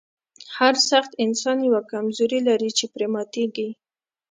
هر سخت انسان یوه کمزوري لري چې پرې ماتیږي